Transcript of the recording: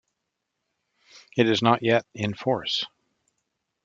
It is not yet in force.